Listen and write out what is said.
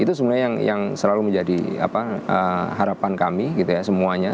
itu sebenarnya yang selalu menjadi harapan kami gitu ya semuanya